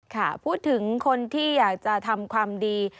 ค่ะพูดถึงคนที่อยากจะทำความดี